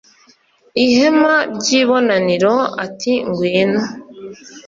ihema ry ibonaniro ati ngwino